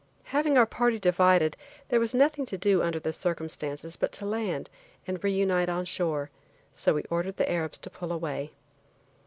Having our party divided there was nothing to do under the circumstances but to land and reunite on shore, so we ordered the Arabs to pull away.